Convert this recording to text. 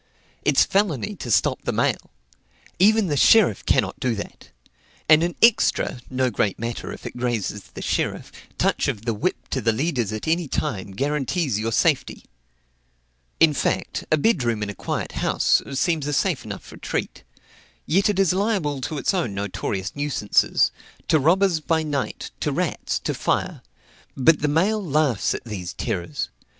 It's felony to stop the mail; even the sheriff cannot do that. And an extra (no great matter if it grazes the sheriff) touch of the whip to the leaders at any time guarantees your safety." In fact, a bed room in a quiet house, seems a safe enough retreat; yet it is liable to its own notorious nuisances, to robbers by night, to rats, to fire. But the mail laughs at these terrors.